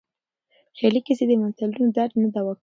خیالي کيسې د ملتونو درد نه دوا کوي.